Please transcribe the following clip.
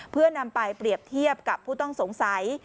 เพื่อนำไปเปรียบเทียบกับผู้ต้องสงสัย